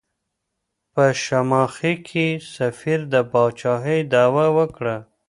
په شماخي کې سفیر د پاچاهۍ دعوه وکړه.